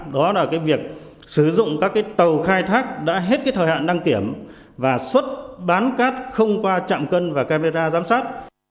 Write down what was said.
đó là việc sử dụng các tàu khai thác đã hết thời hạn đăng kiểm và xuất bán cát không qua chạm cân và camera giám sát